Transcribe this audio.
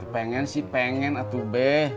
pengen sih pengen atuh be